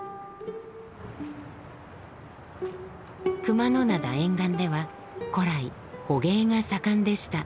熊野灘沿岸では古来捕鯨が盛んでした。